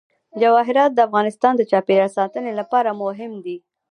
جواهرات د افغانستان د چاپیریال ساتنې لپاره مهم دي.